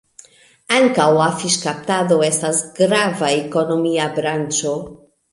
Ankaŭ la fiŝkaptado estas grava ekonomia branĉo.